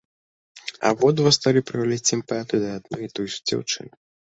Абодва сталі праяўляць сімпатыю да адной і той жа дзяўчыны.